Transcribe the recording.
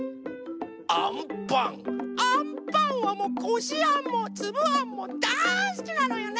アンパンはもうこしあんもつぶあんもだいすきなのよね。